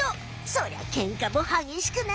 そりゃケンカもはげしくなるね。